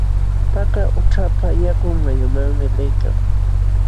Paka qućhapa yakun mayumanmi liykan.